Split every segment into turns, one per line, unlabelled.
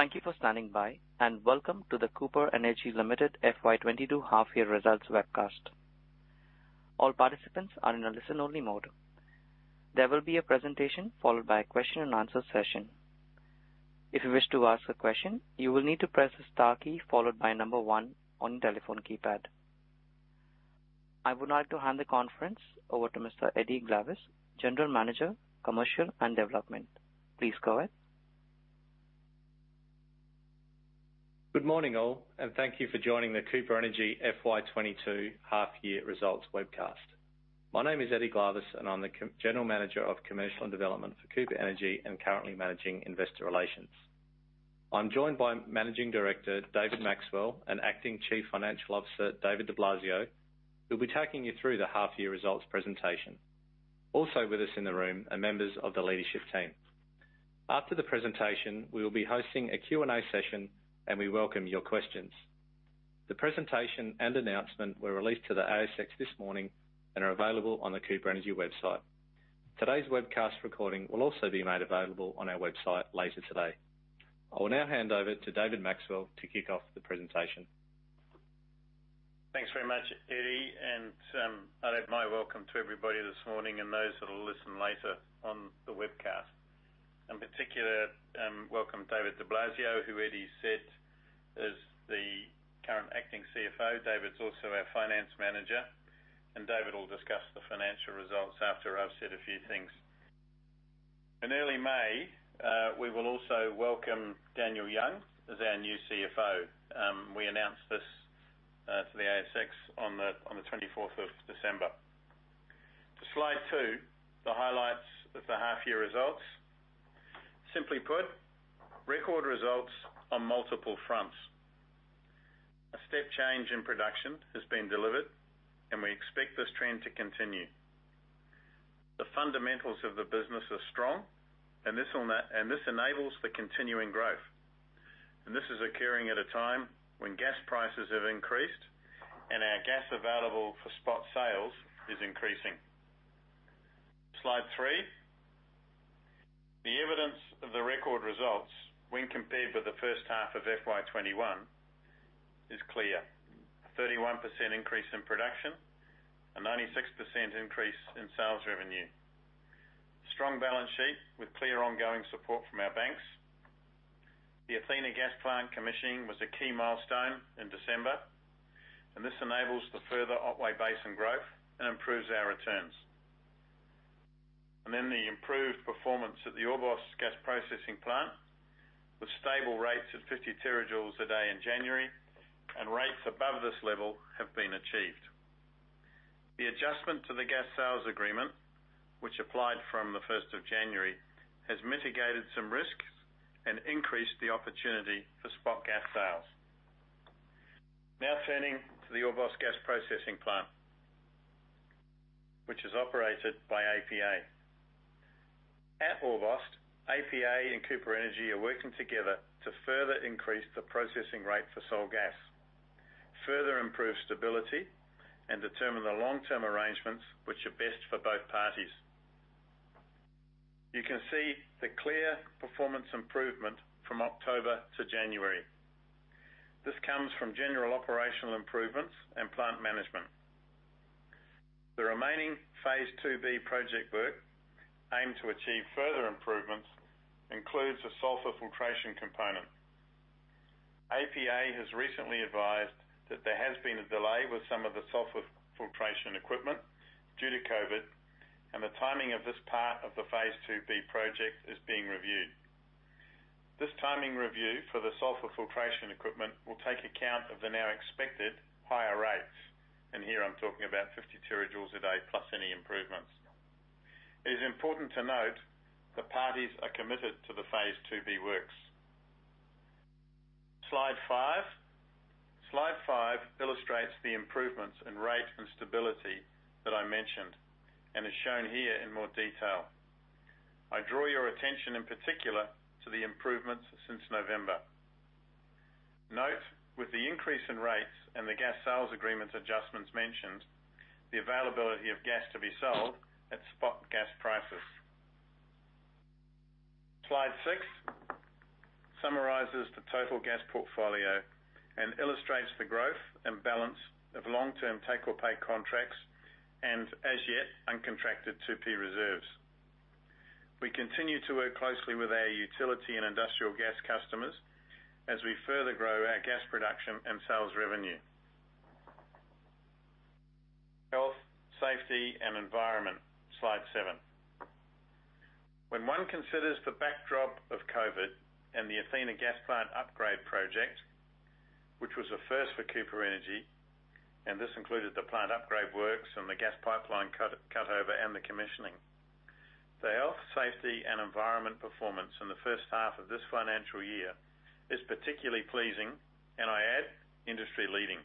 Thank you for standing by, and welcome to the Cooper Energy Limited FY 2022 half-year results webcast. All participants are in a listen-only mode. There will be a presentation followed by a question and answer session. If you wish to ask a question, you will need to press the star key followed by number one on your telephone keypad. I would like to hand the conference over to Mr. Eddy Glavas, General Manager, Commercial and Development. Please go ahead.
Good morning, all, and thank you for joining the Cooper Energy FY 2022 half-year results webcast. My name is Eddy Glavas, and I'm the general manager of commercial and development for Cooper Energy and currently managing investor relations. I'm joined by Managing Director David Maxwell and Acting Chief Financial Officer David Di Blasio, who'll be taking you through the half-year results presentation. Also with us in the room are members of the leadership team. After the presentation, we will be hosting a Q&A session and we welcome your questions. The presentation and announcement were released to the ASX this morning and are available on the Cooper Energy website. Today's webcast recording will also be made available on our website later today. I will now hand over to David Maxwell to kick off the presentation.
Thanks very much, Eddy. I'll add my welcome to everybody this morning and those that will listen later on the webcast. In particular, welcome David Di Blasio, who Eddy said is the current acting CFO. David's also our finance manager, and David will discuss the financial results after I've said a few things. In early May, we will also welcome Daniel Young as our new CFO. We announced this to the ASX on the 24th of December. To slide two, the highlights of the half-year results. Simply put, record results on multiple fronts. A step change in production has been delivered and we expect this trend to continue. The fundamentals of the business are strong and this enables the continuing growth. This is occurring at a time when gas prices have increased and our gas available for spot sales is increasing. Slide three. The evidence of the record results when compared with the first half of FY 2021 is clear. 31% increase in production. 96% increase in sales revenue. Strong balance sheet with clear ongoing support from our banks. The Athena gas plant commissioning was a key milestone in December, and this enables the further Otway Basin growth and improves our returns. The improved performance at the Orbost Gas Processing Plant with stable rates at 50 TJ a day in January, and rates above this level have been achieved. The adjustment to the gas sales agreement, which applied from 1st of January, has mitigated some risks and increased the opportunity for spot gas sales. Now turning to the Orbost Gas Processing Plant, which is operated by APA. At Orbost, APA and Cooper Energy are working together to further increase the processing rate for Sole gas, further improve stability, and determine the long-term arrangements which are best for both parties. You can see the clear performance improvement from October to January. This comes from general operational improvements and plant management. The remaining phase II-B project work, aimed to achieve further improvements, includes a sulfur filtration component. APA has recently advised that there has been a delay with some of the sulfur filtration equipment due to COVID, and the timing of this part of the phase II-B project is being reviewed. This timing review for the sulfur filtration equipment will take account of the now expected higher rates, and here I'm talking about 50 TJ a day, plus any improvements. It is important to note that parties are committed to the phase II-B works. Slide five. Slide five illustrates the improvements in rate and stability that I mentioned, and is shown here in more detail. I draw your attention in particular to the improvements since November. Note, with the increase in rates and the gas sales agreements adjustments mentioned, the availability of gas to be sold at spot gas prices. Slide six summarizes the total gas portfolio and illustrates the growth and balance of long-term take-or-pay contracts and, as yet, uncontracted 2P reserves. We continue to work closely with our utility and industrial gas customers as we further grow our gas production and sales revenue. Health, safety, and environment. Slide seven. When one considers the backdrop of COVID and the Athena gas plant upgrade project, which was a first for Cooper Energy, and this included the plant upgrade works and the gas pipeline cutover and the commissioning. The health, safety, and environment performance in the first half of this financial year is particularly pleasing, and I add, industry-leading.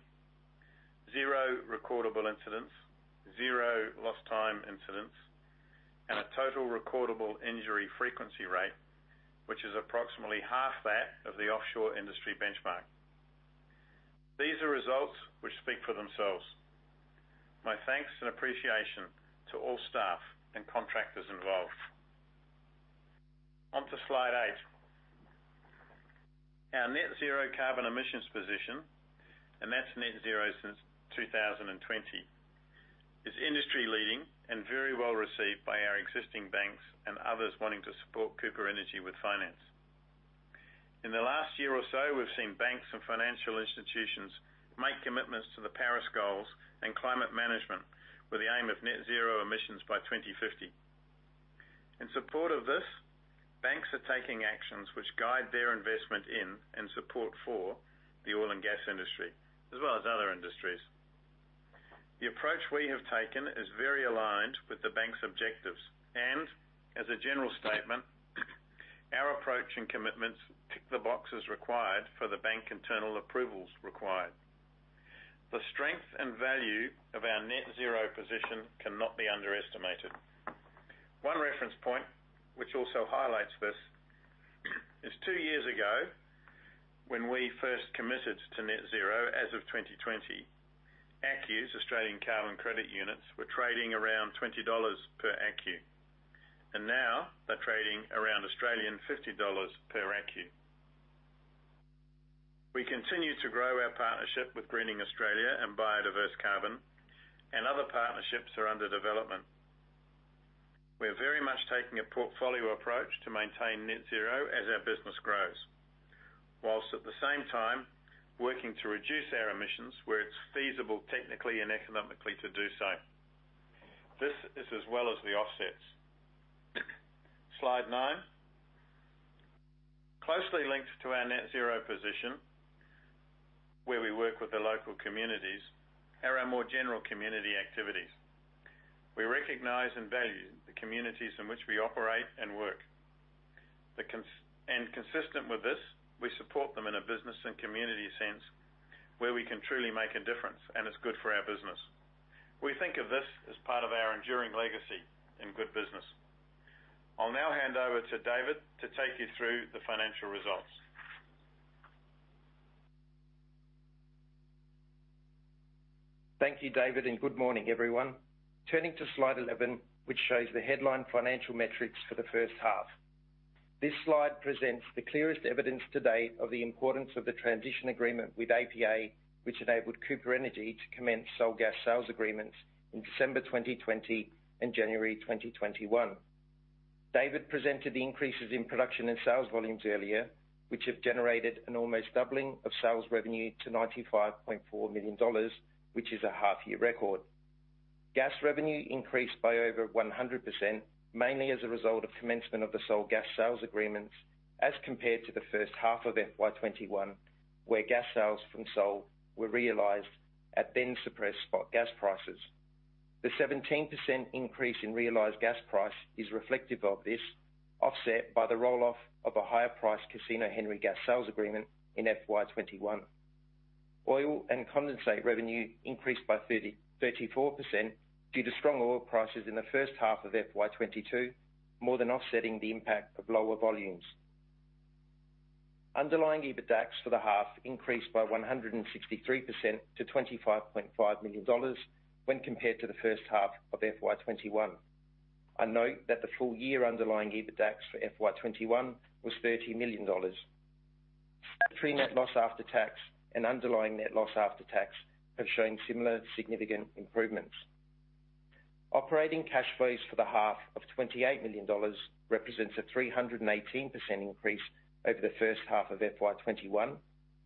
Zero recordable incidents, zero lost time incidents, and a total recordable injury frequency rate, which is approximately half that of the offshore industry benchmark. Results which speak for themselves. My thanks and appreciation to all staff and contractors involved. On to slide eight. Our net zero carbon emissions position, and that's net zero since 2020, is industry-leading and very well-received by our existing banks and others wanting to support Cooper Energy with finance. In the last year or so, we've seen banks and financial institutions make commitments to the Paris goals and climate management with the aim of net zero emissions by 2050. In support of this, banks are taking actions which guide their investment in and support for the oil and gas industry, as well as other industries. The approach we have taken is very aligned with the bank's objectives. As a general statement, our approach and commitments tick the boxes required for the bank internal approvals required. The strength and value of our net zero position cannot be underestimated. One reference point which also highlights this is two years ago when we first committed to net zero as of 2020, ACCUs, Australian Carbon Credit Units, were trading around 20 dollars per ACCU, and now they're trading around 50 Australian dollars per ACCU. We continue to grow our partnership with Greening Australia and Biodiverse Carbon, and other partnerships are under development. We are very much taking a portfolio approach to maintain net zero as our business grows, while at the same time working to reduce our emissions where it's feasible, technically and economically to do so. This is as well as the offsets. Slide nine. Closely linked to our net zero position, where we work with the local communities, are our more general community activities. We recognize and value the communities in which we operate and work. And consistent with this, we support them in a business and community sense where we can truly make a difference and it's good for our business. We think of this as part of our enduring legacy in good business. I'll now hand over to David to take you through the financial results.
Thank you, David, and good morning everyone. Turning to slide 11, which shows the headline financial metrics for the first half. This slide presents the clearest evidence to date of the importance of the transition agreement with APA, which enabled Cooper Energy to commence Sole Gas Sales Agreements in December 2020 and January 2021. David presented the increases in production and sales volumes earlier, which have generated an almost doubling of sales revenue to 95.4 million dollars, which is a half-year record. Gas revenue increased by over 100%, mainly as a result of commencement of the Sole Gas Sales Agreements as compared to the first half of FY 2021, where gas sales from Sole were realized at then suppressed spot gas prices. The 17% increase in realized gas price is reflective of this, offset by the roll-off of a higher price Casino Henry gas sales agreement in FY 2021. Oil and condensate revenue increased by 34% due to strong oil prices in the first half of FY 2022, more than offsetting the impact of lower volumes. Underlying EBITDA for the half increased by 163% to 25.5 million dollars when compared to the first half of FY 2021. I note that the full year underlying EBITDA for FY 2021 was 30 million dollars. Pre-net loss after tax and underlying net loss after tax have shown similar significant improvements. Operating cash flows for the half of 28 million dollars represents a 318% increase over the first half of FY 2021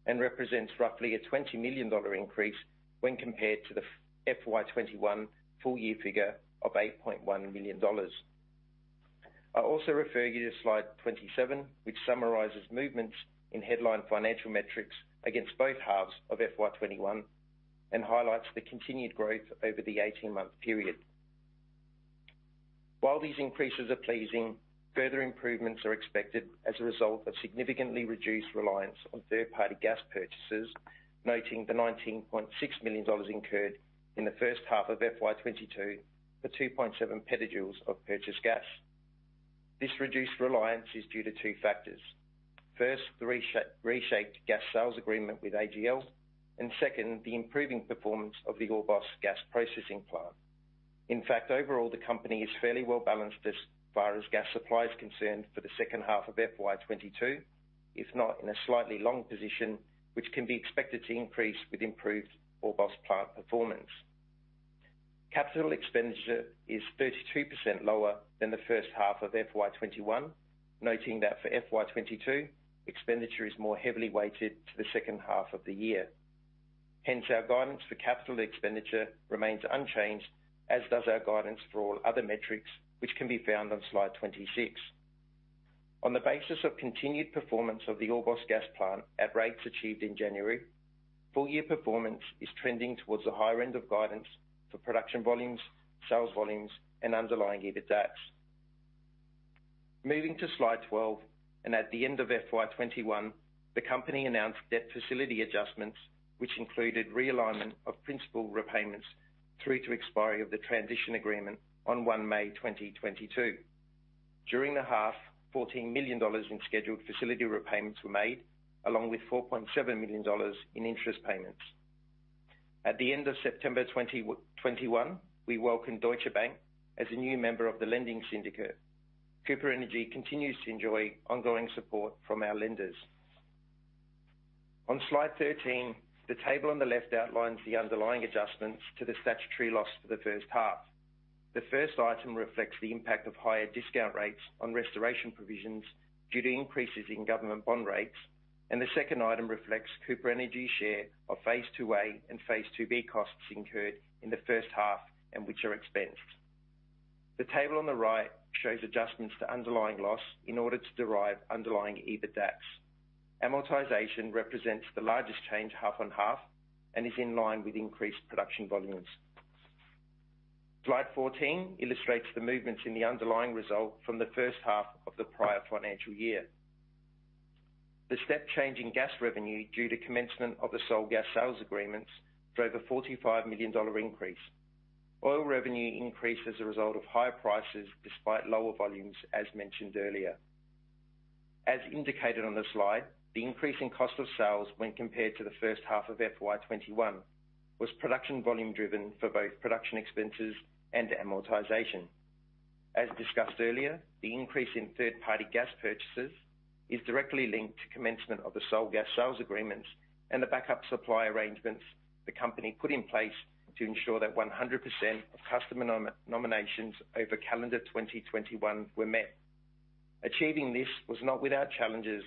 and represents roughly an 20 million dollar increase when compared to the FY 2021 full-year figure of 8.1 million dollars. I also refer you to slide 27, which summarizes movements in headline financial metrics against both halves of FY 2021 and highlights the continued growth over the 18-month period. While these increases are pleasing, further improvements are expected as a result of significantly reduced reliance on third-party gas purchases, noting the 19.6 million dollars incurred in the first half of FY 2022 for 2.7 PJ of purchased gas. This reduced reliance is due to two factors. First, the reshaped gas sales agreement with AGL, and second, the improving performance of the Orbost gas processing plant. In fact, overall, the company is fairly well-balanced as far as gas supply is concerned for the second half of FY 2022, if not in a slightly long position, which can be expected to increase with improved Orbost Plant performance. Capital expenditure is 32% lower than the first half of FY 2021, noting that for FY 2022, expenditure is more heavily weighted to the second half of the year. Hence, our guidance for capital expenditure remains unchanged, as does our guidance for all other metrics which can be found on slide 26. On the basis of continued performance of the Orbost Gas Plant at rates achieved in January, full-year performance is trending towards the higher end of guidance for production volumes, sales volumes and underlying EBITDA. Moving to slide 12, at the end of FY 2021, the company announced debt facility adjustments, which included realignment of principal repayments through to expiry of the transition agreement on 1 May 2022. During the half, 14 million dollars in scheduled facility repayments were made, along with 4.7 million dollars in interest payments. At the end of September 2021, we welcomed Deutsche Bank as a new member of the lending syndicate. Cooper Energy continues to enjoy ongoing support from our lenders. On slide 13, the table on the left outlines the underlying adjustments to the statutory loss for the first half. The first item reflects the impact of higher discount rates on restoration provisions due to increases in government bond rates. The second item reflects Cooper Energy's share of phase II-A and phase II-B costs incurred in the first half, and which are expensed. The table on the right shows adjustments to underlying loss in order to derive underlying EBITDA. Amortization represents the largest change half on half and is in line with increased production volumes. Slide 14 illustrates the movements in the underlying result from the first half of the prior financial year. The step change in gas revenue due to commencement of the Sole Gas Sales Agreements drove a 45 million dollar increase. Oil revenue increased as a result of higher prices despite lower volumes, as mentioned earlier. As indicated on the slide, the increase in cost of sales when compared to the first half of FY 2021 was production volume driven for both production expenses and amortization. As discussed earlier, the increase in third-party gas purchases is directly linked to commencement of the Sole Gas Sales Agreements and the backup supply arrangements the company put in place to ensure that 100% of customer nominations over calendar 2021 were met. Achieving this was not without challenges,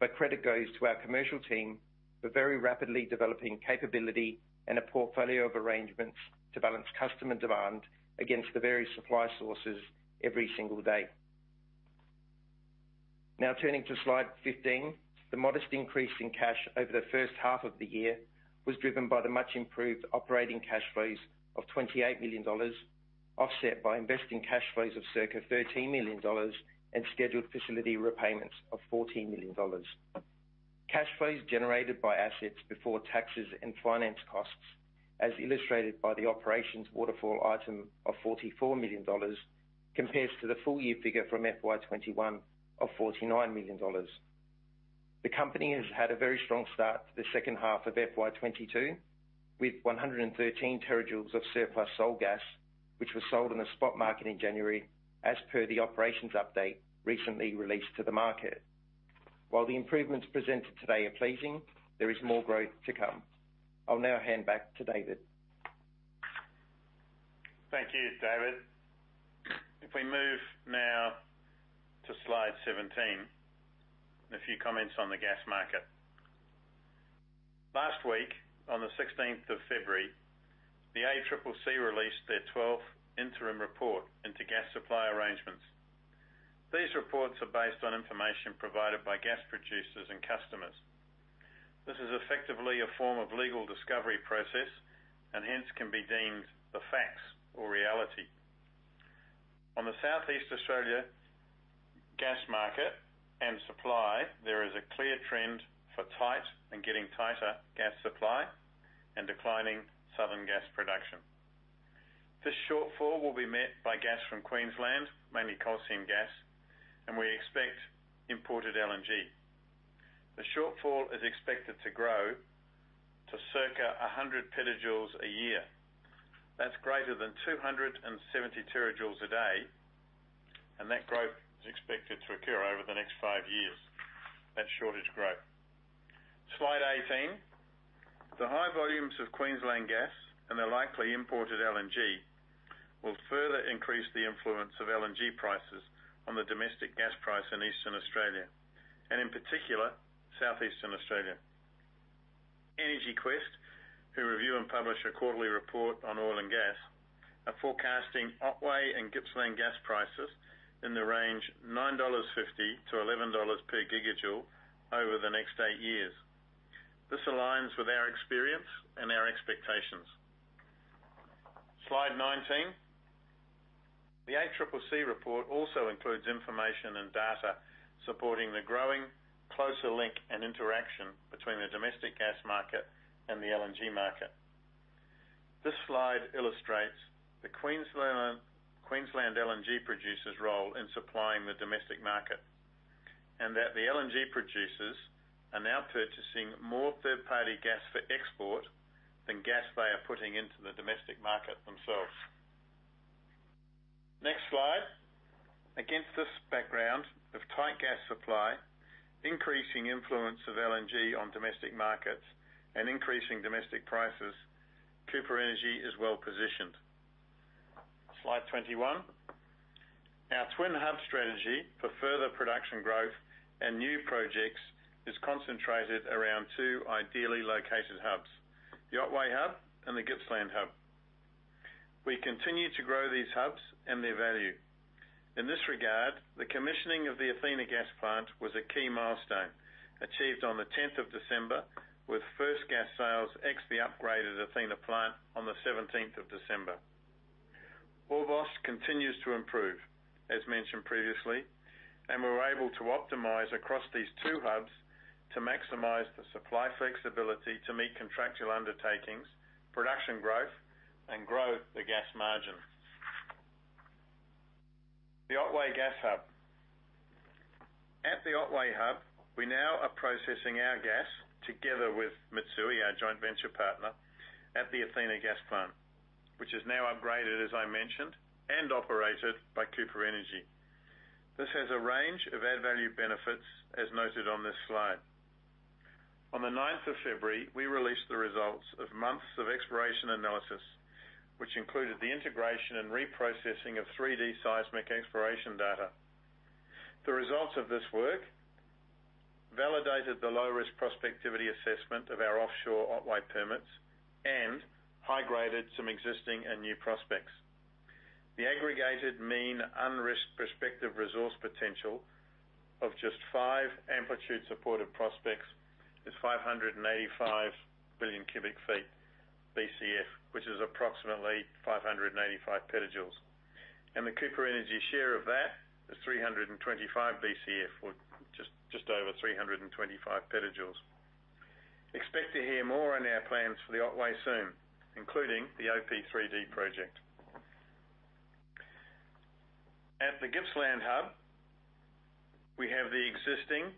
but credit goes to our commercial team for very rapidly developing capability and a portfolio of arrangements to balance customer demand against the various supply sources every single day. Now turning to slide 15. The modest increase in cash over the first half of the year was driven by the much improved operating cash flows of 28 million dollars, offset by investing cash flows of circa 13 million dollars and scheduled facility repayments of 14 million dollars. Cash flows generated by assets before taxes and finance costs, as illustrated by the operations waterfall item of 44 million dollars, compares to the full year figure from FY 2021 of 49 million dollars. The company has had a very strong start to the second half of FY 2022, with 113 TJ of surplus sold gas, which was sold in the spot market in January, as per the operations update recently released to the market. While the improvements presented today are pleasing, there is more growth to come. I'll now hand back to David.
Thank you, David. If we move now to slide 17 and a few comments on the gas market. Last week, on the 16th of February, the ACCC released their 12th interim report into gas supply arrangements. These reports are based on information provided by gas producers and customers. This is effectively a form of legal discovery process, and hence can be deemed the facts or reality. On the Southeast Australia gas market and supply, there is a clear trend for tight and getting tighter gas supply and declining southern gas production. This shortfall will be met by gas from Queensland, mainly coal seam gas, and we expect imported LNG. The shortfall is expected to grow to circa 100 PJ a year. That's greater than 270 TJ a day, and that growth is expected to occur over the next five years. That's shortage growth. Slide 18. The high volumes of Queensland gas and the likely imported LNG will further increase the influence of LNG prices on the domestic gas price in Eastern Australia, and in particular, Southeastern Australia. EnergyQuest, who review and publish a quarterly report on oil and gas, are forecasting Otway and Gippsland gas prices in the range 9.50-11 dollars per gigajoule over the next eight years. This aligns with our experience and our expectations. Slide 19. The ACCC report also includes information and data supporting the growing closer link and interaction between the domestic gas market and the LNG market. This slide illustrates the Queensland LNG producer's role in supplying the domestic market, and that the LNG producers are now purchasing more third-party gas for export than gas they are putting into the domestic market themselves. Next slide. Against this background of tight gas supply, increasing influence of LNG on domestic markets, and increasing domestic prices, Cooper Energy is well-positioned. Slide 21. Our twin hub strategy for further production growth and new projects is concentrated around two ideally located hubs, the Otway Hub and the Gippsland Hub. We continue to grow these hubs and their value. In this regard, the commissioning of the Athena gas plant was a key milestone achieved on the 10th of December with first gas sales ex the upgraded Athena plant on the 17th of December. Orbost continues to improve. As mentioned previously, we were able to optimize across these two hubs to maximize the supply flexibility to meet contractual undertakings, production growth, and grow the gas margin. The Otway Gas Hub. At the Otway Hub, we now are processing our gas together with Mitsui, our joint venture partner, at the Athena gas plant, which is now upgraded, as I mentioned, and operated by Cooper Energy. This has a range of value-add benefits as noted on this slide. On the 9th of February, we released the results of months of exploration analysis, which included the integration and reprocessing of 3D seismic exploration data. The results of this work validated the low-risk prospectivity assessment of our offshore Otway permits and high-graded some existing and new prospects. The aggregated mean unrisked prospective resource potential of just five Amplitude-supported prospects is 585 Bcf, which is approximately 585 PJ. The Cooper Energy share of that is 325 Bcf, or just over 325 PJ. Expect to hear more on our plans for the Otway soon, including the OP3D project. At the Gippsland Hub, we have the existing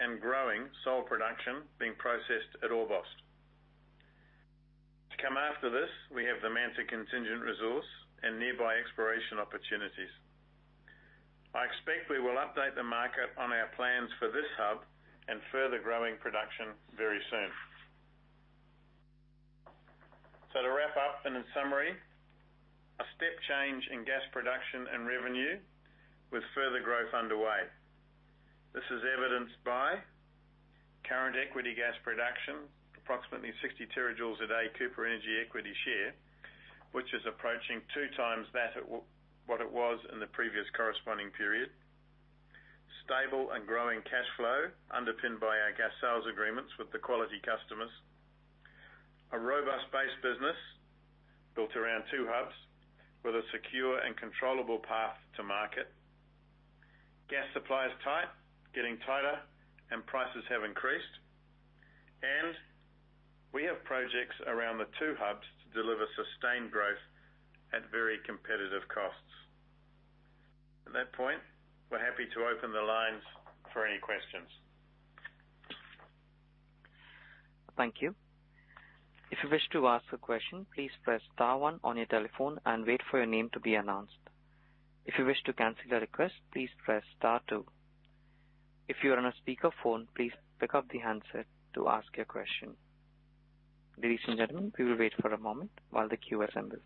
and growing Sole production being processed at Orbost. To come after this, we have the Manta contingent resource and nearby exploration opportunities. I expect we will update the market on our plans for this hub and further growing production very soon. To wrap up and in summary, a step change in gas production and revenue with further growth underway. This is evidenced by current equity gas production, approximately 60 TJ a day, Cooper Energy equity share, which is approaching 2x that at what it was in the previous corresponding period. Stable and growing cash flow underpinned by our gas sales agreements with the quality customers. A robust base business built around two hubs with a secure and controllable path to market. Gas supply is tight, getting tighter, and prices have increased. We have projects around the two hubs to deliver sustained growth at very competitive costs. At that point, we're happy to open the lines for any questions.
Thank you. If you wish to ask a question, please press star one on your telephone and wait for your name to be announced. If you wish to cancel the request, please press star two. If you are on a speakerphone, please pick up the handset to ask your question. Ladies and gentlemen, we will wait for a moment while the queue assembles.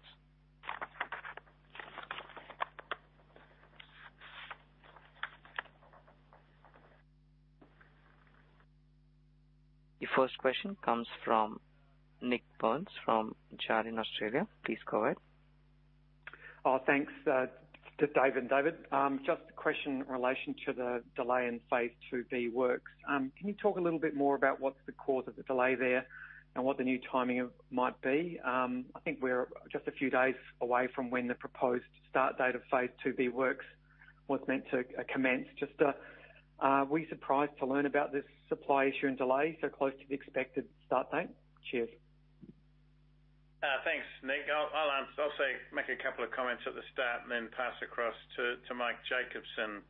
Your first question comes from Nik Burns from Jarden Australia. Please go ahead.
Oh, thanks to Dave and David. Just a question in relation to the delay in phase II-B works. Can you talk a little bit more about what's the cause of the delay there and what the new timing might be? I think we're just a few days away from when the proposed start date of phase II-B works was meant to commence. Just, are we surprised to learn about this supply issue and delay so close to the expected start date? Cheers.
Thanks, Nik. I'll answer. I'll say, make a couple of comments at the start and then pass across to Mike Jacobsen,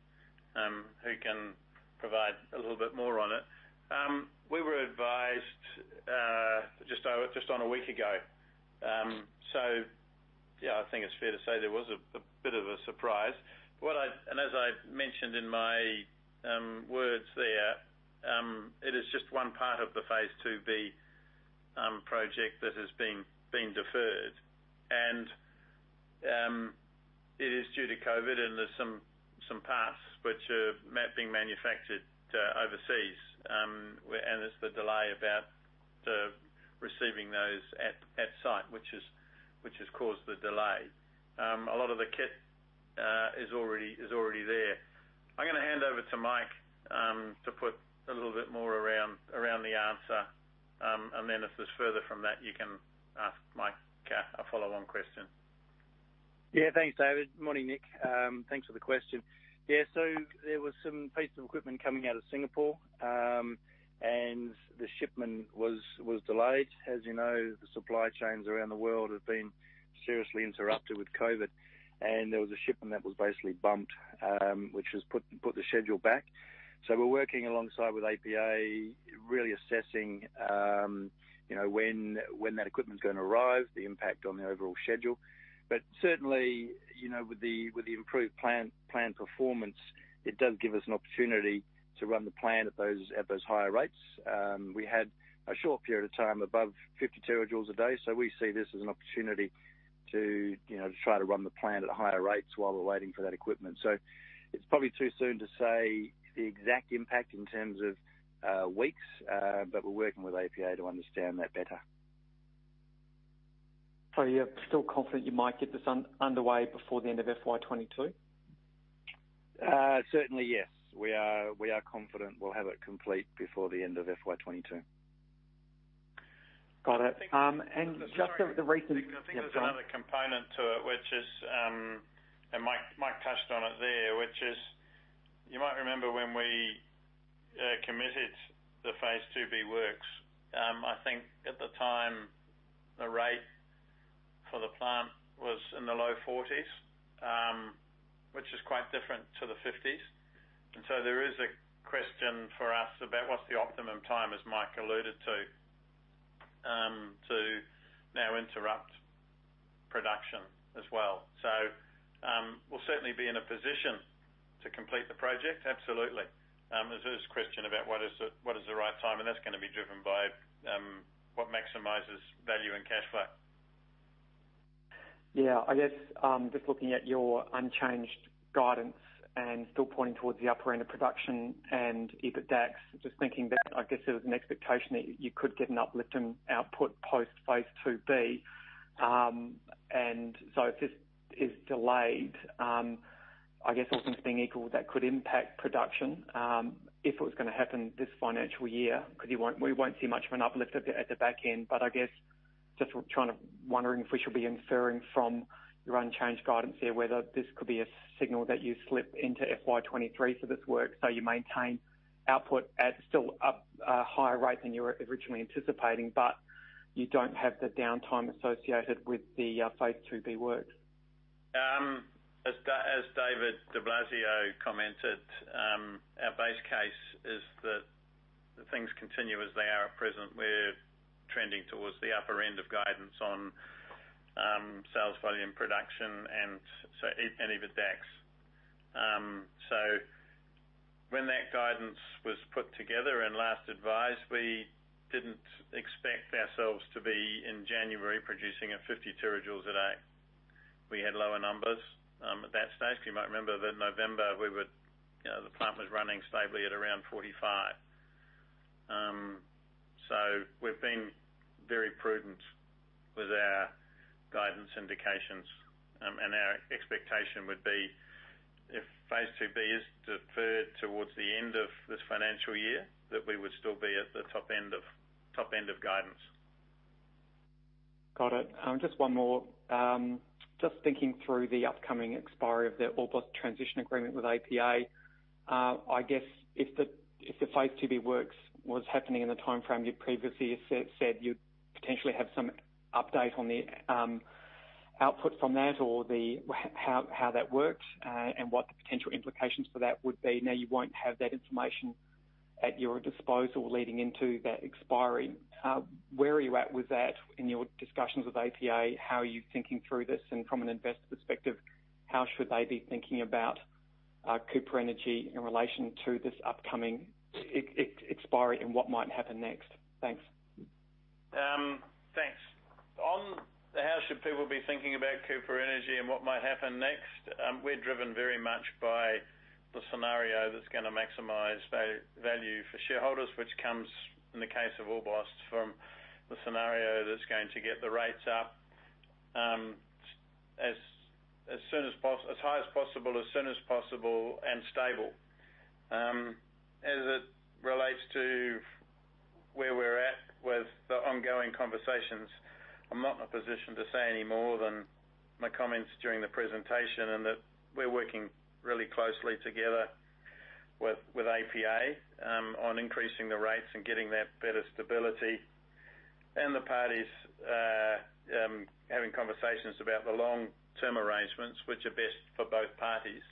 who can provide a little bit more on it. We were advised just over a week ago. So yeah, I think it's fair to say there was a bit of a surprise. What I've and as I've mentioned in my words there, it is just one part of the phase II-B project that has been deferred. It is due to COVID, and there's some parts which are being manufactured overseas, and there's the delay about receiving those at site, which has caused the delay. A lot of the kit is already there. I'm gonna hand over to Mike to put a little bit more around the answer, and then if there's further from that, you can ask Mike a follow-on question.
Yeah. Thanks, David. Morning, Nik. Thanks for the question. Yeah. There was some piece of equipment coming out of Singapore, and the shipment was delayed. As you know, the supply chains around the world have been seriously interrupted with COVID, and there was a shipment that was basically bumped, which has put the schedule back. We're working alongside with APA, really assessing, you know, when that equipment's gonna arrive, the impact on the overall schedule. Certainly, you know, with the improved plant performance, it does give us an opportunity to run the plant at those higher rates. We had a short period of time above 50 TJ a day, so we see this as an opportunity to, you know, to try to run the plant at higher rates while we're waiting for that equipment. It's probably too soon to say the exact impact in terms of weeks, but we're working with APA to understand that better.
You're still confident you might get this underway before the end of FY 2022?
Certainly, yes. We are confident we'll have it complete before the end of FY 2022.
Got it. Just with the recent
I think there's another component to it, which is, and Mike touched on it there, which is, you might remember when we committed the phase II-B works. I think at the time, the rate for the plant was in the low 40s TJ, which is quite different to the 50s TJ. There is a question for us about what's the optimum time, as Mike alluded to now interrupt production as well. We'll certainly be in a position to complete the project. Absolutely. There's this question about what is the right time, and that's gonna be driven by what maximizes value and cash flow.
Yeah. I guess, just looking at your unchanged guidance and still pointing towards the upper end of production and EBITDA. Just thinking that, I guess there was an expectation that you could get an uplift in output post phase II-B. And so if this is delayed, I guess all things being equal, that could impact production, if it was gonna happen this financial year, because we won't see much of an uplift at the back end. But I guess wondering if we should be inferring from your unchanged guidance here, whether this could be a signal that you slip into FY 2023 for this work, so you maintain output at still up a higher rate than you were originally anticipating, but you don't have the downtime associated with the phase II-B work.
As David Di Blasio commented, our base case is that the things continue as they are at present. We're trending towards the upper end of guidance on sales, volume, production, and EBITDA. When that guidance was put together and last advised, we didn't expect ourselves to be in January producing at 50 TJ a day. We had lower numbers at that stage. You might remember that November we were, you know, the plant was running stably at around 45 TJ. We've been very prudent with our guidance indications. Our expectation would be if phase II-B is deferred towards the end of this financial year, that we would still be at the top end of guidance.
Got it. Just one more. Just thinking through the upcoming expiry of the Orbost transition agreement with APA. I guess if phase II-B works was happening in the timeframe you previously said you'd potentially have some update on the output from that or how that worked, and what the potential implications for that would be. Now, you won't have that information at your disposal leading into that expiry. Where are you at with that in your discussions with APA? How are you thinking through this? From an investor perspective, how should they be thinking about Cooper Energy in relation to this upcoming expiry and what might happen next? Thanks.
Thanks. On how should people be thinking about Cooper Energy and what might happen next, we're driven very much by the scenario that's gonna maximize value for shareholders, which comes, in the case of Orbost, from the scenario that's going to get the rates up as high as possible, as soon as possible and stable. As it relates to where we're at with the ongoing conversations, I'm not in a position to say any more than my comments during the presentation and that we're working really closely together with APA on increasing the rates and getting that better stability. The parties having conversations about the long-term arrangements which are best for both parties.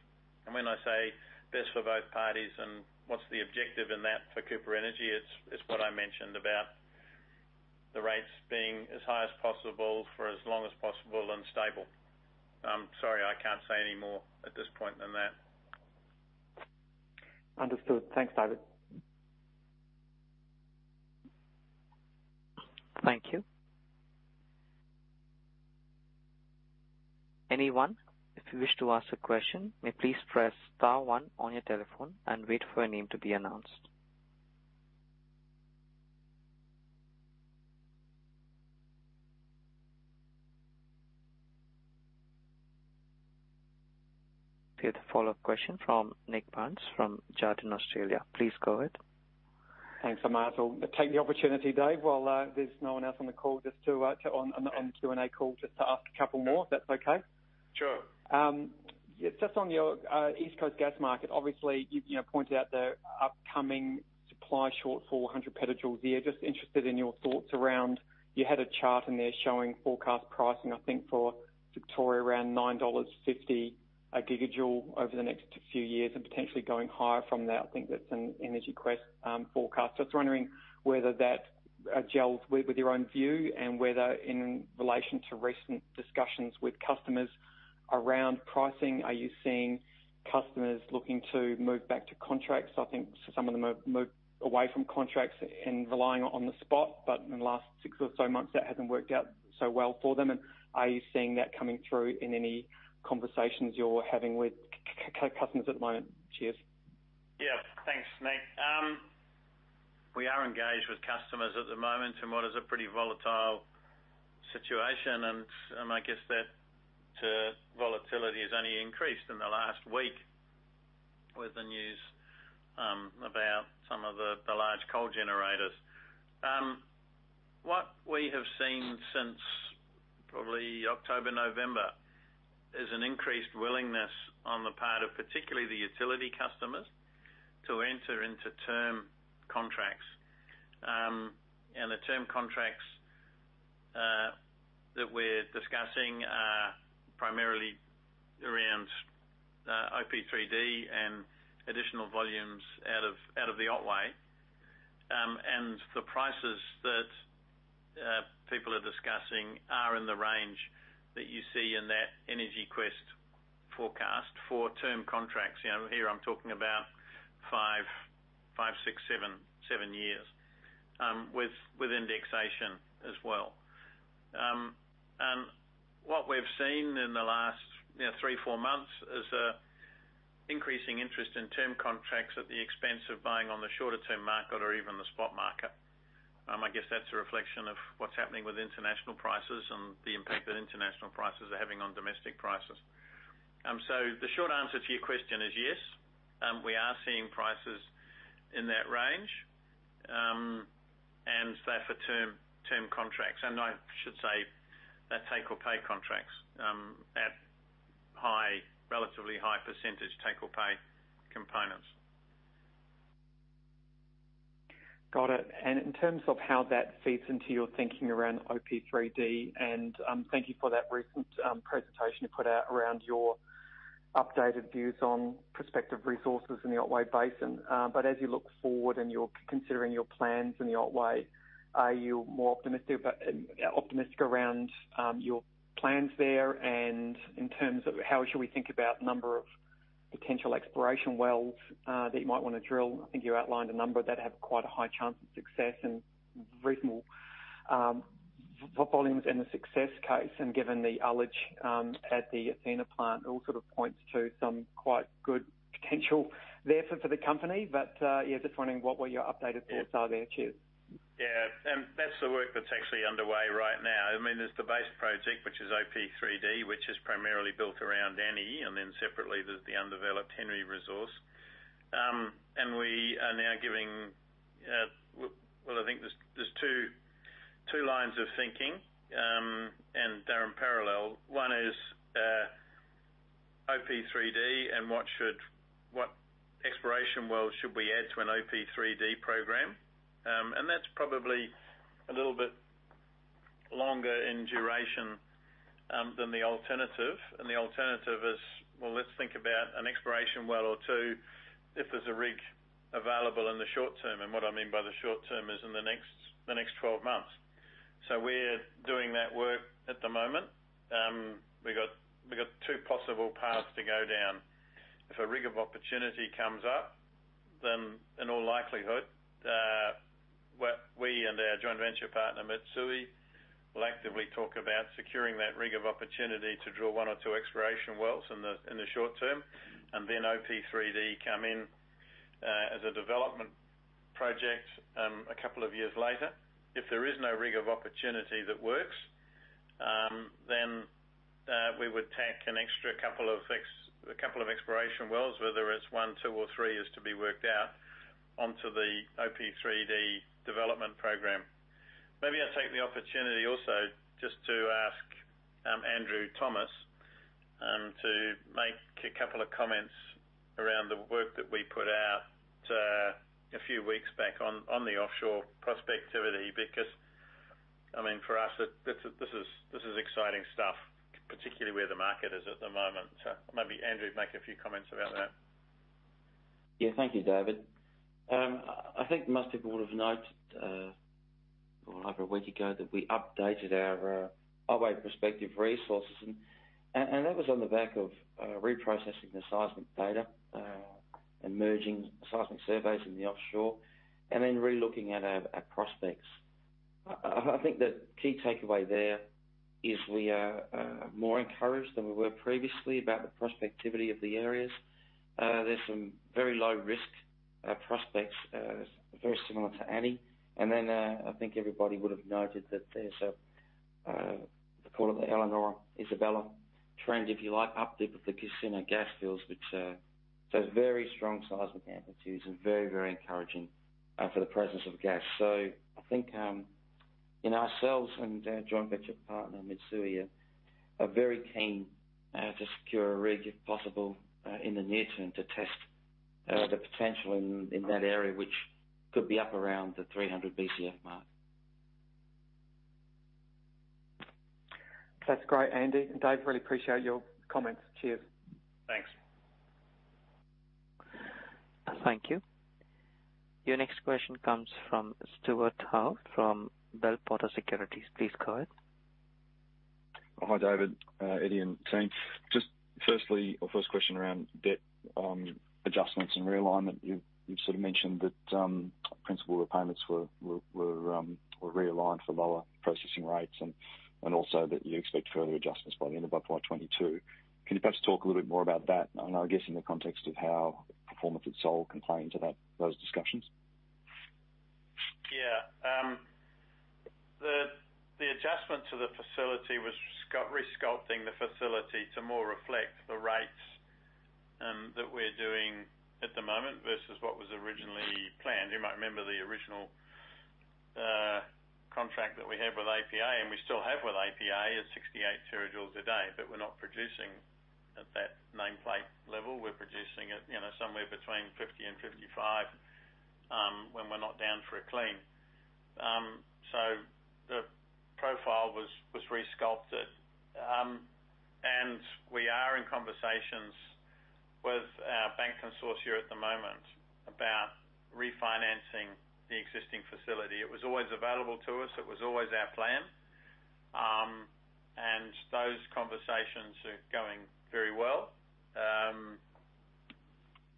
When I say best for both parties and what's the objective in that for Cooper Energy, it's what I mentioned about the rates being as high as possible for as long as possible and stable. I'm sorry, I can't say any more at this point than that.
Understood. Thanks, David.
Thank you. Anyone, if you wish to ask a question, may please press star one on your telephone and wait for your name to be announced. We have a follow-up question from Nik Burns from Jarden Australia. Please go ahead.
Thanks, Amar. I'll take the opportunity, Dave, while there's no one else on the call just to on the Q&A call just to ask a couple more, if that's okay?
Sure.
Just on your East Coast gas market, obviously, you know, pointed out the upcoming supply short of 400 PJ a year. Just interested in your thoughts around. You had a chart in there showing forecast pricing, I think for Victoria, around 9.50 dollars a gigajoule over the next few years and potentially going higher from there. I think that's an EnergyQuest forecast. I was wondering whether that gels with your own view and whether in relation to recent discussions with customers around pricing, are you seeing customers looking to move back to contracts? I think some of them have moved away from contracts and relying on the spot, but in the last six or so months, that hasn't worked out so well for them. Are you seeing that coming through in any conversations you're having with customers at the moment? Cheers.
Yeah. Thanks, Nik. We are engaged with customers at the moment in what is a pretty volatile situation. I guess that volatility has only increased in the last week with the news about some of the large coal generators. What we have seen since probably October, November, is an increased willingness on the part of particularly the utility customers to enter into term contracts. The term contracts that we're discussing are primarily around OP3D and additional volumes out of the Otway. The prices that people are discussing are in the range that you see in that EnergyQuest forecast for term contracts. You know, here I'm talking about five, six, seven years with indexation as well. What we've seen in the last, you know, three to four months is a increasing interest in term contracts at the expense of buying on the shorter term market or even the spot market. I guess that's a reflection of what's happening with international prices and the impact that international prices are having on domestic prices. The short answer to your question is, yes, we are seeing prices in that range. They're for term contracts, and I should say they're take-or-pay contracts at relatively high percentage take-or-pay components.
Got it. In terms of how that feeds into your thinking around OP3D, thank you for that recent presentation you put out around your updated views on prospective resources in the Otway Basin. As you look forward and you're considering your plans in the Otway, are you more optimistic around your plans there? In terms of how should we think about number of potential exploration wells that you might wanna drill? I think you outlined a number that have quite a high chance of success and reasonable volumes in the success case. Given the ullage at the Athena plant, all sort of points to some quite good potential there for the company. Yeah, just wondering what were your updated thoughts are there, cheers.
Yeah. That's the work that's actually underway right now. I mean, there's the base project, which is OP3D, which is primarily built around Annie, and then separately there's the undeveloped Henry resource. We are now giving. I think there's two lines of thinking, and they're in parallel. One is OP3D and what exploration wells should we add to an OP3D program. That's probably a little bit longer in duration than the alternative. The alternative is, well, let's think about an exploration well or two if there's a rig available in the short term. What I mean by the short term is in the next 12 months. We're doing that work at the moment. We got two possible paths to go down. If a rig of opportunity comes up, then in all likelihood, well, we and our joint venture partner, Mitsui, will actively talk about securing that rig of opportunity to drill one or two exploration wells in the short term, and then OP3D come in as a development project a couple of years later. If there is no rig of opportunity that works, then we would tack an extra couple of exploration wells, whether it's one, two, or three is to be worked out onto the OP3D development program. Maybe I'll take the opportunity also just to ask Andrew Thomas to make a couple of comments around the work that we put out a few weeks back on the offshore prospectivity. Because, I mean, for us, this is exciting stuff, particularly where the market is at the moment. Maybe Andrew, make a few comments about that.
Yeah. Thank you, David. I think most people would have noted over a week ago that we updated our Otway prospective resources and that was on the back of reprocessing the seismic data and merging seismic surveys in the offshore, and then re-looking at our prospects. I think the key takeaway there is we are more encouraged than we were previously about the prospectivity of the areas. There's some very low risk prospects very similar to Annie. I think everybody would have noted that there's a they call it the Elanora Isabella trend, if you like, uptick of the Casino gas fields, which shows very strong seismic amplitudes and very encouraging for the presence of gas. I think, you know, ourselves and our joint venture partner, Mitsui, are very keen to secure a rig, if possible, in the near-term to test the potential in that area, which could be up around the 300 Bcf mark.
That's great, Andy and Dave, really appreciate your comments. Cheers.
Thanks.
Thank you. Your next question comes from Stuart Howe from Bell Potter Securities. Please go ahead.
Hi, David, Eddy, and team. Just first question around debt adjustments and realignment. You've sort of mentioned that principal repayments were realigned for lower processing rates and also that you expect further adjustments by the end of FY 2022. Can you perhaps talk a little bit more about that? I guess in the context of how performance at Sole can play into those discussions.
The facility was resculpting the facility to more reflect the rates that we're doing at the moment versus what was originally planned. You might remember the original contract that we have with APA, and we still have with APA, is 68 TJ a day. We're not producing at that nameplate level. We're producing at, you know, somewhere between 50 TJ and 55 TJ when we're not down for a clean. The profile was resculpted. We are in conversations with our bank consortia at the moment about refinancing the existing facility. It was always available to us. It was always our plan. Those conversations are going very well.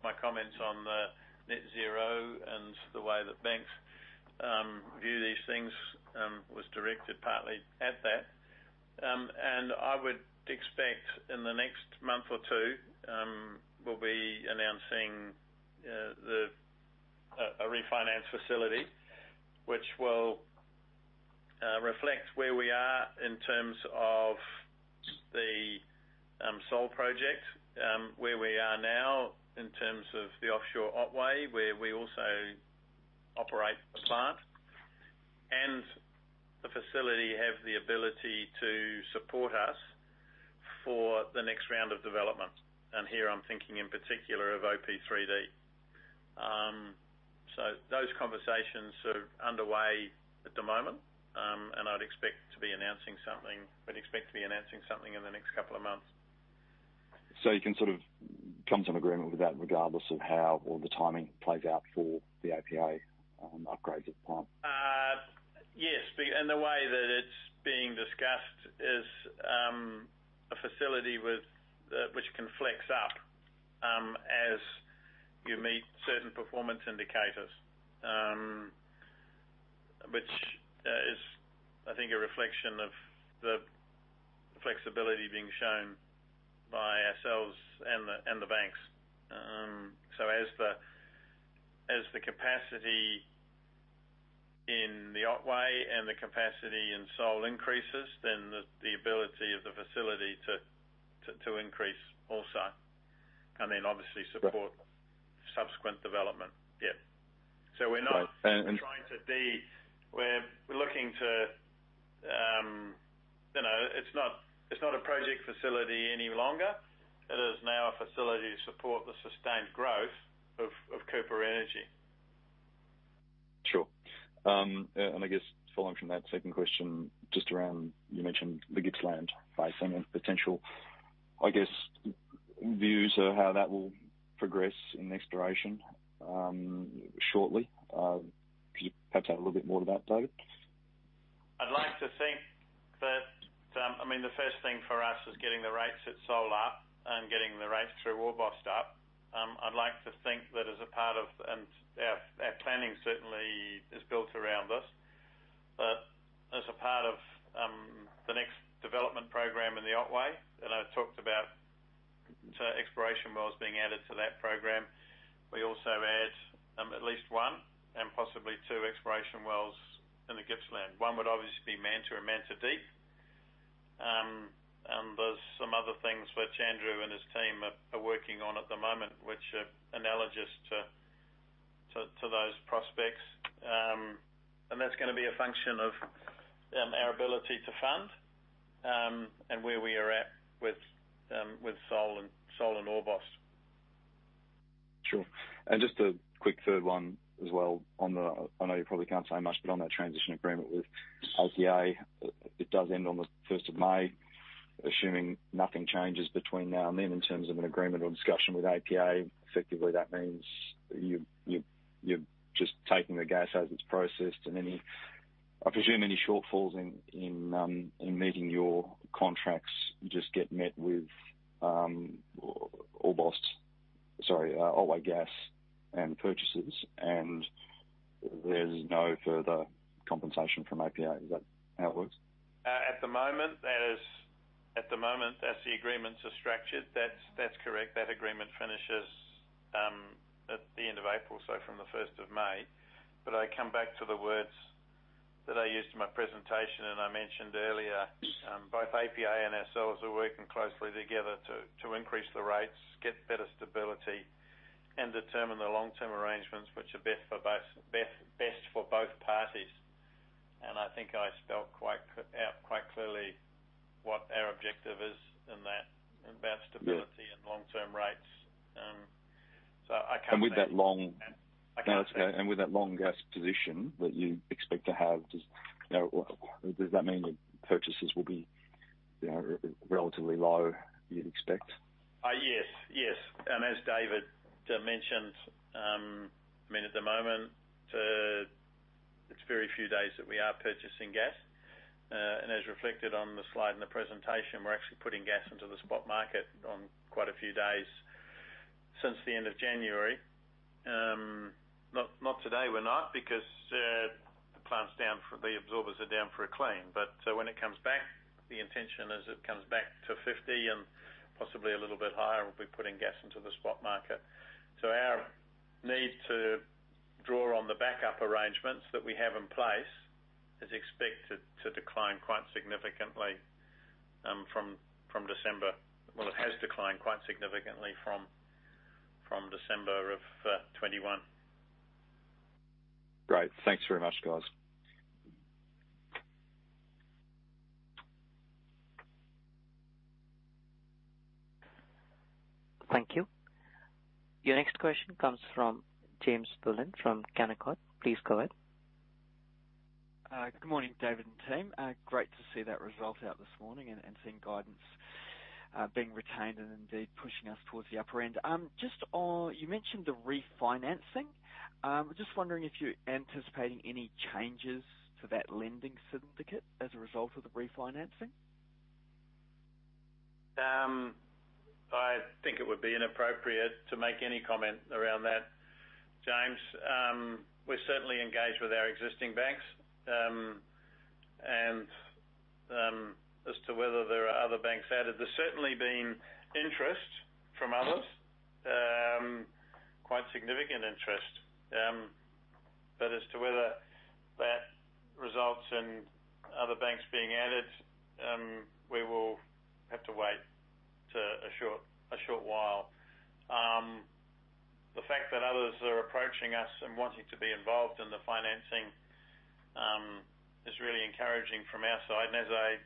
My comments on the net zero and the way the banks view these things was directed partly at that. I would expect in the next month or two, we'll be announcing a refinance facility, which will reflect where we are in terms of the Sole project, where we are now in terms of the offshore Otway, where we also operate the plant. The facility have the ability to support us for the next round of development. Here I'm thinking in particular of OP3D. Those conversations are underway at the moment. I'd expect to be announcing something. We'd expect to be announcing something in the next couple of months.
You can sort of come to an agreement with that regardless of how all the timing plays out for the APA upgrade to the plant?
Yes. The way that it's being discussed is a facility which can flex up as you meet certain performance indicators, which is, I think, a reflection of the flexibility being shown by ourselves and the banks. As the capacity in the Otway and the capacity in Sole increases, then the ability of the facility to increase also, and then obviously.
Right
support subsequent development. Yeah. We're not.
Right.
We're looking to, you know, it's not a project facility any longer. It is now a facility to support the sustained growth of Cooper Energy.
Sure. I guess following from that second question, just around, you mentioned the Gippsland Basin and potential, I guess, views of how that will progress in exploration, shortly. Could you perhaps add a little bit more to that, Dave?
I'd like to think that, I mean, the first thing for us is getting the rates at Sole up and getting the rates through Orbost up. I'd like to think that as a part of, and our planning certainly is built around this. As a part of, the next development program in the Otway, and I talked about exploration wells being added to that program, we also add, at least one and possibly two exploration wells in the Gippsland. One would obviously be Manta or Manta Deep. And there's some other things which Andrew and his team are working on at the moment, which are analogous to those prospects. And that's gonna be a function of, our ability to fund, and where we are at with Sole and Orbost.
Sure. Just a quick third one as well on the I know you probably can't say much, but on that transition agreement with APA, it does end on the 1st of May. Assuming nothing changes between now and then in terms of an agreement or discussion with APA, effectively, that means you're just taking the gas as it's processed and any I presume any shortfalls in in meeting your contracts just get met with Orbost's Sorry Otway gas and purchases, and there's no further compensation from APA. Is that how it works?
At the moment, as the agreements are structured, that's correct. That agreement finishes at the end of April, so from the 1st of May. I come back to the words that I used in my presentation, and I mentioned earlier. Both APA and ourselves are working closely together to increase the rates, get better stability, and determine the long-term arrangements which are best for both parties. I think I spelt out quite clearly what our objective is in that, about stability.
Yeah
long-term rates. I come back-
with that long-
And, and-
No, that's okay. With that long gas position that you expect to have, does that mean that purchases will be, you know, relatively low, you'd expect?
Yes. As David mentioned, I mean, at the moment, it's very few days that we are purchasing gas. As reflected on the slide in the presentation, we're actually putting gas into the spot market on quite a few days since the end of January. Not today, we're not, because the plant's down. The absorbers are down for a clean. When it comes back, the intention as it comes back to 50 TJ and possibly a little bit higher, we'll be putting gas into the spot market. Our need to draw on the backup arrangements that we have in place is expected to decline quite significantly from December. Well, it has declined quite significantly from December of 2021.
Great. Thanks very much, guys.
Thank you. Your next question comes from James Bullen from Canaccord. Please go ahead.
Good morning, David and team. Great to see that result out this morning and seeing guidance being retained and indeed pushing us towards the upper end. You mentioned the refinancing. I'm just wondering if you're anticipating any changes to that lending syndicate as a result of the refinancing.
I think it would be inappropriate to make any comment around that, James. We're certainly engaged with our existing banks. As to whether there are other banks added, there's certainly been interest from others, quite significant interest. As to whether that results in other banks being added, we will have to wait a short while. The fact that others are approaching us and wanting to be involved in the financing is really encouraging from our side. As I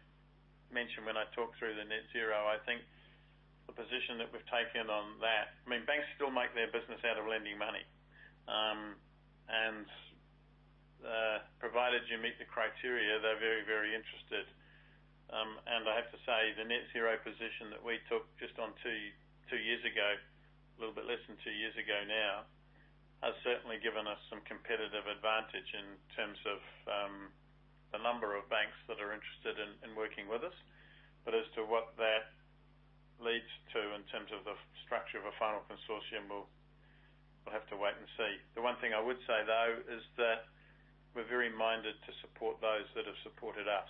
mentioned when I talked through the net zero, I think the position that we've taken on that. I mean, banks still make their business out of lending money. Provided you meet the criteria, they're very, very interested. I have to say, the net zero position that we took just on two years ago, a little bit less than two years ago now, has certainly given us some competitive advantage in terms of the number of banks that are interested in working with us. As to what that leads to in terms of the structure of a final consortium, we'll have to wait and see. The one thing I would say, though, is that we're very minded to support those that have supported us.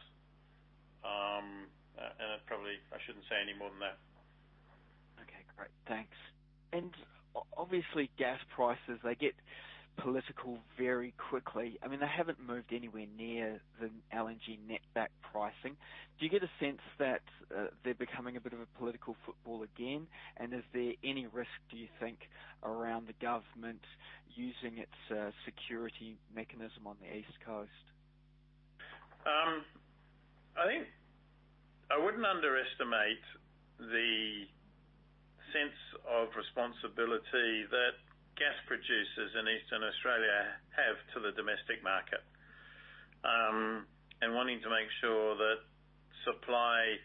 I probably shouldn't say any more than that.
Okay. Great. Thanks. Obviously gas prices, they get political very quickly. I mean, they haven't moved anywhere near the LNG netback pricing. Do you get a sense that they're becoming a bit of a political football again? Is there any risk, do you think, around the government using its security mechanism on the East Coast?
I think I wouldn't underestimate the sense of responsibility that gas producers in Eastern Australia have to the domestic market and wanting to make sure that supply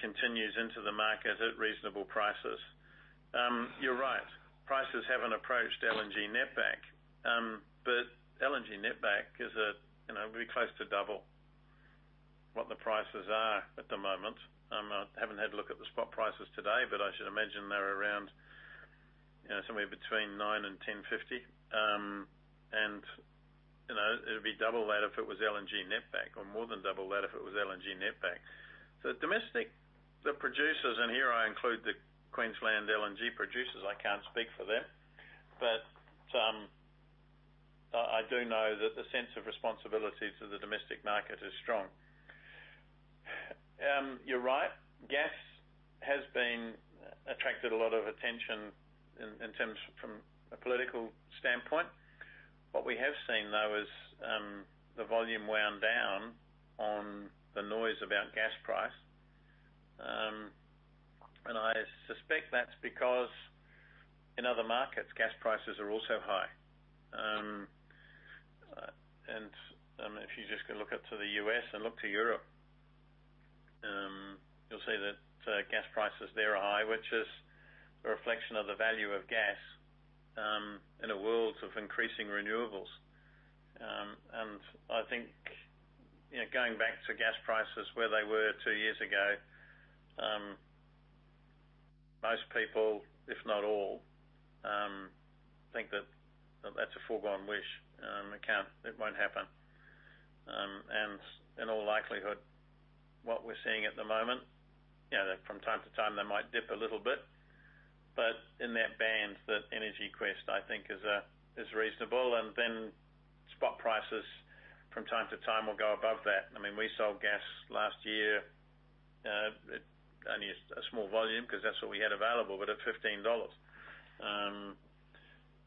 continues into the market at reasonable prices. You're right, prices haven't approached LNG netback. LNG netback is a, you know, very close to double what the prices are at the moment. I haven't had a look at the spot prices today, but I should imagine they're around, you know, somewhere between 9 and 10.50. You know, it would be double that if it was LNG netback or more than double that if it was LNG netback. Domestic, the producers, and here I include the Queensland LNG producers, I can't speak for them, but I do know that the sense of responsibility to the domestic market is strong. You're right, gas has been attracting a lot of attention in terms of from a political standpoint. What we have seen, though, is the volume wound down on the noise about gas price. I suspect that's because in other markets, gas prices are also high. If you just go look up to the U.S. and look to Europe, you'll see that gas prices there are high, which is a reflection of the value of gas in a world of increasing renewables. I think, you know, going back to gas prices where they were two years ago, most people, if not all, think that that's a foregone conclusion. It can't. It won't happen. In all likelihood, what we're seeing at the moment, you know, from time to time, they might dip a little bit, but in that band, that EnergyQuest, I think, is reasonable. Spot prices from time to time will go above that. I mean, we sold gas last year, it only a small volume because that's what we had available, but at 15 dollars.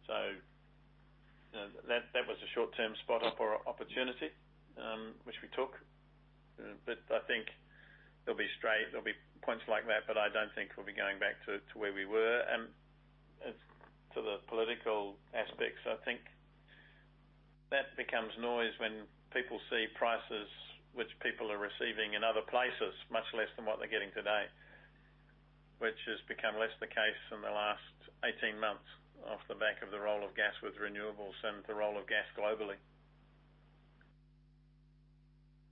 So, you know, that was a short-term spot opportunity, which we took. But I think there'll be points like that, but I don't think we'll be going back to where we were. As to the political aspects, I think that becomes noise when people see prices which people are receiving in other places much less than what they're getting today, which has become less the case in the last 18 months off the back of the role of gas with renewables and the role of gas globally.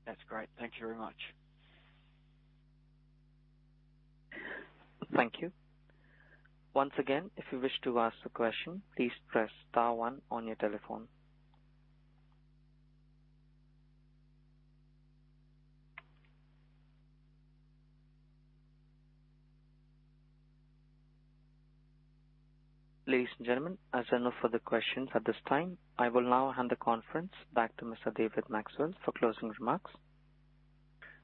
That's great. Thank you very much.
Thank you. Once again, if you wish to ask a question, please press star one on your telephone. Ladies and gentlemen, as there are no further questions at this time, I will now hand the conference back to Mr. David Maxwell for closing remarks.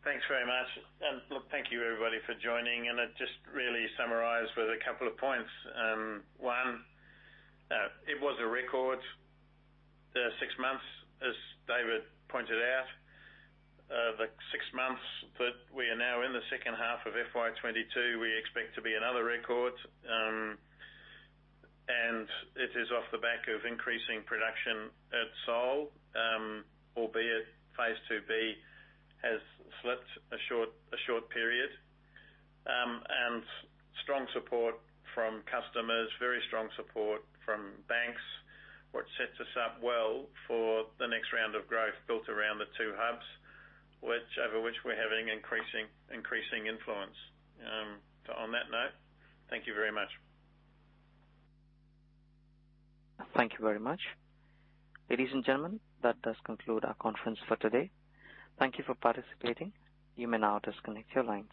Thanks very much. Look, thank you, everybody, for joining. I just really summarize with a couple of points. One, it was a record, the six months, as David pointed out. The six months that we are now in the second half of FY 2022, we expect to be another record. It is off the back of increasing production at Sole, albeit phase II-B has slipped a short period. Strong support from customers, very strong support from banks, which sets us up well for the next round of growth built around the two hubs, over which we're having increasing influence. On that note, thank you very much.
Thank you very much. Ladies and gentlemen, that does conclude our conference for today. Thank you for participating. You may now disconnect your lines.